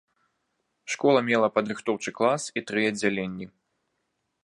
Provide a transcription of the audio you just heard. Школа мела падрыхтоўчы клас і тры аддзяленні.